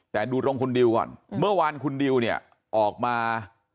แต่ดูตรงคุณดิวก่อนเมื่อวานคุณดิวเนี่ยออกมา